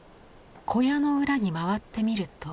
小屋の裏に回ってみると。